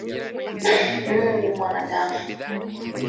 Mungu Mwanadamu